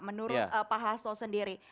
menurut pak hasto sendiri